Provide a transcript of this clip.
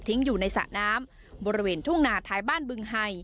อยู่ในสระน้ำบริเวณทุ่งนาท้ายบ้านบึงไฮ